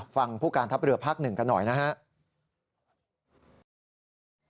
ผู้การทัพเรือภาค๑กันหน่อยนะครับ